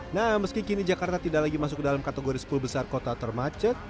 nah meski kini jakarta tidak lagi masuk ke dalam kategori sepuluh besar kota termacet